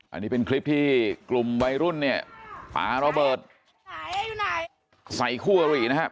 อันนี้เป็นคลิปที่กลุ่มวัยรุ่นเนี่ยปลาระเบิดไหนใส่คู่อรินะครับ